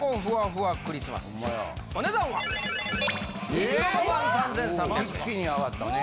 一気に上がったね。